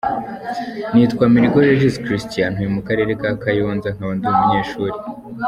Nitwa Mirimo Regis Christian, ntuye mu karere ka Kayonza, nkaba ndi umunyeshuri “.